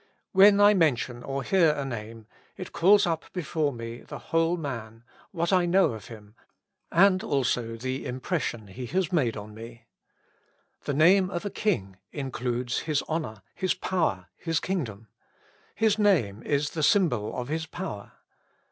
When I mention or hear a name, it calls up before me the whole man, what I know of him, and also the im pression he has made on me. The name of a king 190 With Christ in the School of Prayer. incrudes his honor, his power, his kingdom. His name is the symbol of his power.